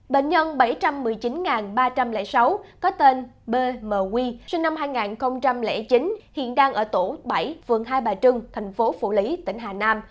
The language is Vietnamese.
bệnh nhân bảy trăm một mươi chín ba trăm linh sáu có tên bmw sinh năm hai nghìn chín hiện đang ở tổ bảy phường hai bà trưng thành phố phủ lý tỉnh hà nam